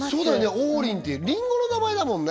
王林ってリンゴの名前だもんね